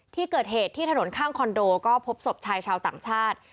ที่เกิดเหตุที่ถนนข้างคอนโดก็พบศพชายชาวต่างชาติ